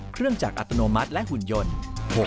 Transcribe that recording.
เครื่องจักรอัตโนมัติและหุ่นยนต์